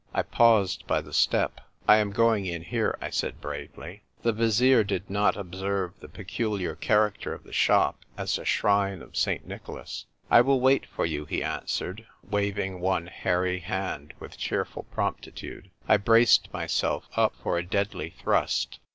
I paused by the step. " I am going in here," I said, bravely. The Vizier did not observe the peculiar character of the shop as a shrine of St. Nicholas. "I will wait for you," he answered, waving one hairy hand with cheerful prompti tude. I braced myself up for a deadly thrust.